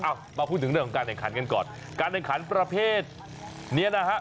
เอ้ามาพูดถึงเรื่องของการเนื้อคารกันก่อนการเนื้อคารประเภทนี้นะฮะ